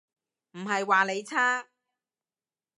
唔係話你差